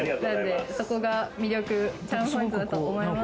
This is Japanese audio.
そこが魅力、チャームポイントだと思います。